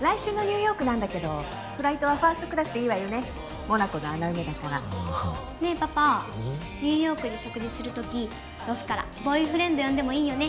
来週のニューヨークなんだけどフライトはファーストクラスでいいわよねモナコの穴埋めだからああねえパパニューヨークで食事するときロスからボーイフレンド呼んでもいいよね